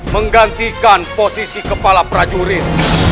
menggantikan posisi kepala prajurit